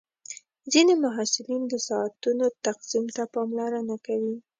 ځینې محصلین د ساعتونو تقسیم ته پاملرنه کوي.